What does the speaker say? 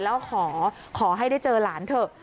แล้วขอให้ได้เจอหลานเถอะ